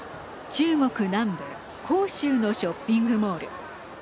中国南部広州のショッピングモール。